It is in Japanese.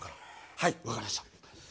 はい分かりました。